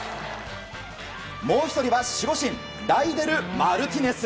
もう１人は、守護神ライデル・マルティネス。